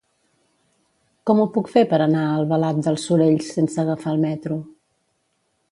Com ho puc fer per anar a Albalat dels Sorells sense agafar el metro?